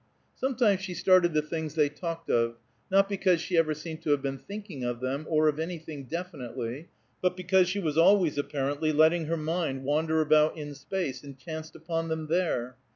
Sometimes she started the things they talked of; not because she ever seemed to have been thinking of them, or of anything, definitely, but because she was always apparently letting her mind wander about in space, and chanced upon them there.